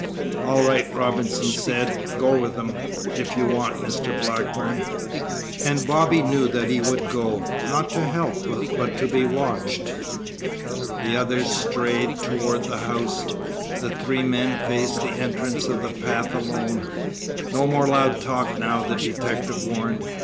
"All right," Robinson said. "Go with 'em, if you want, Mr. Blackburn." And Bobby knew that he would go, not to help, but to be watched. The others strayed toward the house. The three men faced the entrance of the path alone. "No more loud talk now," the detective warned.